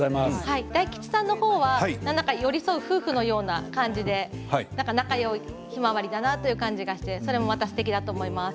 大吉さんのほうは寄り添う夫婦のような感じで仲のよいヒマワリだなという感じがしてそれもまたすてきだと思います。